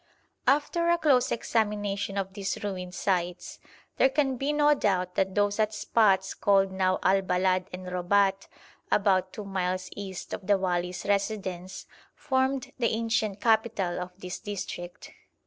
After a close examination of these ruined sites, there can be no doubt that those at spots called now Al Balad and Robat, about two miles east of the wali's residence, formed the ancient capital of this district.